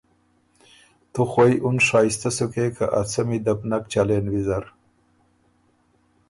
تُو خوئ اُن شائستۀ سُکې که ا څمی ده بو نک چلېن ویزر۔